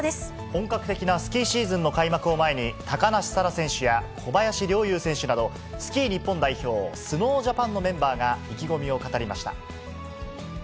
本格的なスキーシーズンの開幕を前に、高梨沙羅選手や小林陵侑選手など、スキー日本代表、スノージャパンのメンバーが意気込みを語りました。